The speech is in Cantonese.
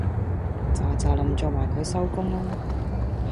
喳喳林做埋佢收工啦